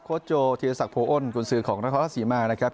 โค้ดโจธีรศักดิ์โผอ้นคุณศือของนครศาสิมานะครับ